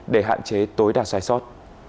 để hạn chế tối đa sai sót